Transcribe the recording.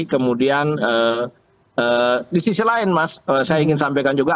kemudian di sisi lain mas saya ingin sampaikan juga